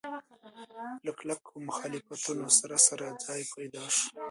له کلکو مخالفتونو سره سره ځای پیدا شو.